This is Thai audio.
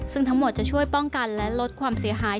ซึ่งทั้งหมดจะช่วยป้องกันและลดความเสียหาย